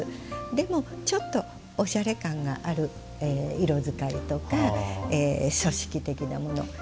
でも、ちょっとおしゃれ感がある色使いとか書式的なもの。